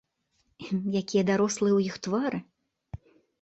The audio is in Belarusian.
Якія дарослыя ў іх твары!